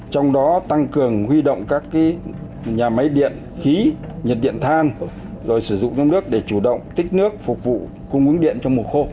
trong đó tăng cường huy động các nhà máy điện khí nhiệt điện than rồi sử dụng trong nước để chủ động tích nước phục vụ cung ứng điện trong mùa khô